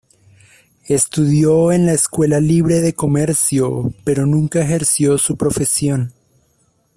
Estudió en la Escuela Libre de Comercio, pero nunca ejerció su profesión.